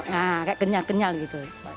nah kayak kenyal kenyal gitu